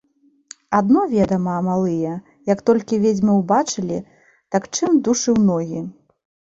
Адно, ведама, малыя, як толькі ведзьму ўбачылі, так чым душы ў ногі.